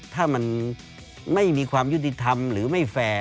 ถ้ามันไม่มีความยุติธรรมหรือไม่แฟร์